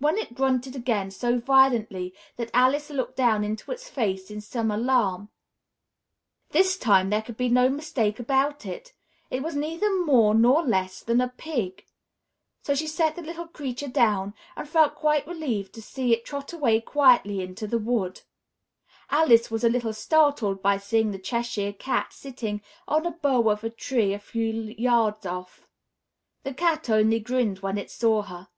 when it grunted again so violently that Alice looked down into its face in some alarm. This time there could be no mistake about it it was neither more nor less than a pig; so she set the little creature down and felt quite relieved to see it trot away quietly into the wood. Alice was a little startled by seeing the Cheshire Cat sitting on a bough of a tree a few yards off. The Cat only grinned when it saw her.